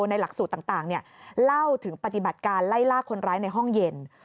ในหลักสูตรต่างเล่าถึงปฏิบัติการไล่ล่าคนร้ายในห้องเย็น